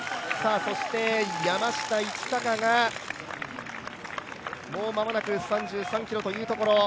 そして山下一貴が、もう間もなく３３ｋｍというところ。